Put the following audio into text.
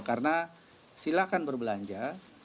karena silakan berbelanja